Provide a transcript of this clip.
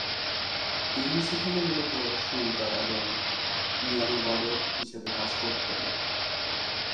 তিনি সেখানে মূলত সুরকার এবং পিয়ানোবাদক হিসাবে কাজ করতেন।